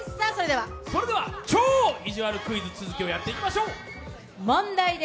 それでは超いじわるクイズ、続きをやっていきましょう。